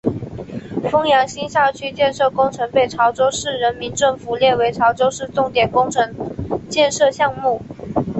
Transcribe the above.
枫洋新校区建设工程被潮州市人民政府列为潮州市重点工程建设项目。